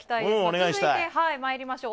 続いて参りましょう。